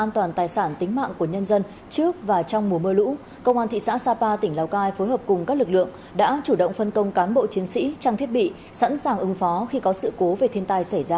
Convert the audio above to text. trong tính mạng của nhân dân trước và trong mùa mưa lũ công an thị xã sapa tỉnh lào cai phối hợp cùng các lực lượng đã chủ động phân công cán bộ chiến sĩ trang thiết bị sẵn sàng ứng phó khi có sự cố về thiên tai xảy ra